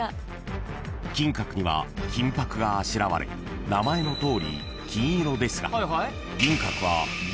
［金閣には金箔があしらわれ名前のとおり金色ですが銀閣は］